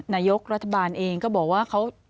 นายกรัฐบาลเองก็บอกว่าเขา